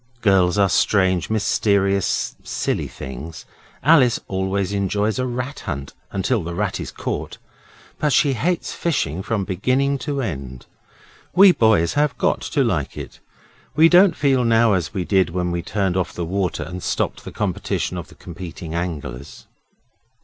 Girls are strange, mysterious, silly things. Alice always enjoys a rat hunt until the rat is caught, but she hates fishing from beginning to end. We boys have got to like it. We don't feel now as we did when we turned off the water and stopped the competition of the competing anglers.